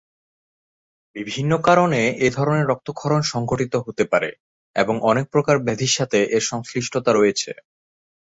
বিভিন্ন কারণে এ ধরনের রক্তক্ষরণ সংঘটিত হতে পারে এবং অনেক প্রকার ব্যাধির সাথে এর সংশ্লিষ্টতা রয়েছে।